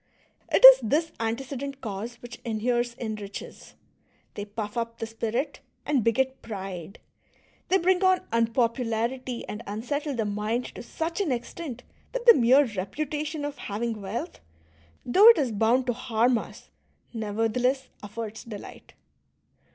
It is this antecedent cause which inheres in riches ; they puff up the spirit and beget pride, they bring on unpopularity and unsettle the mind to such an extent that the mere reputation of having wealth, though it is bound to harm us, nevertheless affords delight.